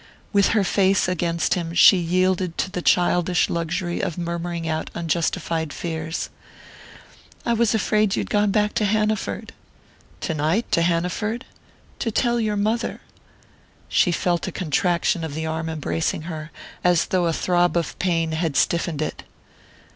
With her face against him she yielded to the childish luxury of murmuring out unjustified fears. "I was afraid you had gone back to Hanaford " "Tonight? To Hanaford?" "To tell your mother." She felt a contraction of the arm embracing her, as though a throb of pain had stiffened it.